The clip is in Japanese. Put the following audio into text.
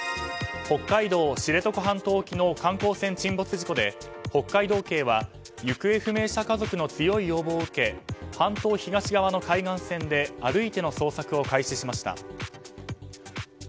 北海道知床半島沖の観光船沈没事故で、北海道警は行方不明者家族の強い要望を受け半島東側の海岸線で歩いての捜索を開始しました。